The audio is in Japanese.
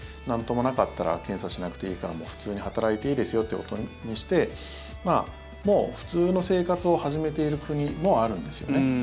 なんともなかったら検査しなくていいからもう普通に働いていいですよということにしてもう普通の生活を始めている国もあるんですよね。